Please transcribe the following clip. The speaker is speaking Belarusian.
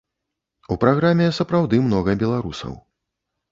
У праграме сапраўды многа беларусаў.